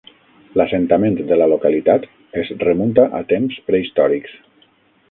L'assentament de la localitat es remunta a temps prehistòrics.